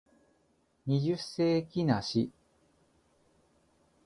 二十世紀梨